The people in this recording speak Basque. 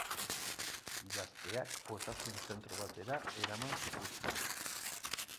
Gazteak osasun zentro batera eraman zituzten.